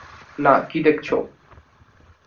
না কী দেখছো?